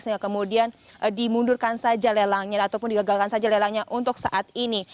sehingga kemudian dimundurkan saja lelangnya ataupun digagalkan saja lelangnya untuk saat ini